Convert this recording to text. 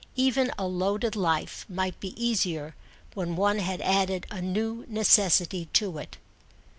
Even a loaded life might be easier when one had added a new necessity to it.